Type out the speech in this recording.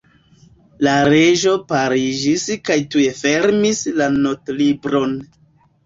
La Reĝo paliĝis kaj tuj fermis la notlibron.